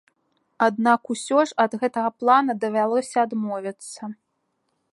Аднак усе ж ад гэтага плана давялося адмовіцца.